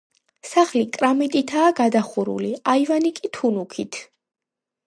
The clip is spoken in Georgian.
სახლი კრამიტითაა გადახურული, აივანი კი თუნუქით.